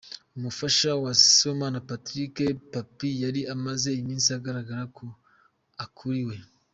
Umufasha wa Sibomana Patrick Pappy yari amaze iminsi agaragaza ko akuriwe.